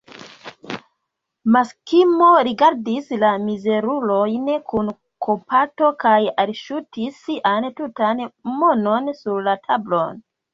Maksimo rigardis la mizerulojn kun kompato kaj elŝutis sian tutan monon sur la tablon.